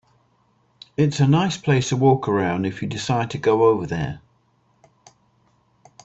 It's a nice place to walk around if you decide to go over there.